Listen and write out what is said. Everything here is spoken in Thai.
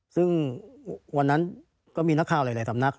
ซึ่งวันนั้นก็มีนักข่าวหลายสำนัก